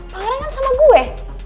pangeran kan sama gue